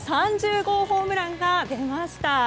３０号ホームランが出ました。